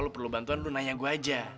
lu perlu bantuan lu nanya gue aja